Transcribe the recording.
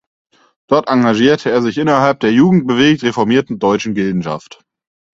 Dort engagierte er sich innerhalb der jugendbewegt-reformierten Deutschen Gildenschaft.